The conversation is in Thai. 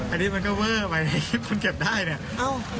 อันนี้มันก็เวอร์ไปที่คุณเก็บได้เนี่ย